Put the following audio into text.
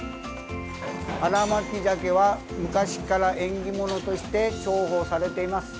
新巻鮭は、昔から縁起物として重宝されています。